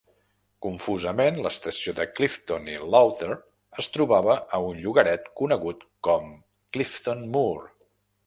Confusament, l'estació de Clifton i Lowther es trobava a un llogaret conegut com Clifton Moor.